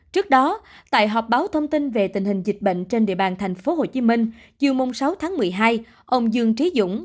trước đó tại họp báo thông tin về tình hình dịch bệnh trên địa bàn tp hcm chiều mông sáu tháng một mươi hai ông dương trí dũng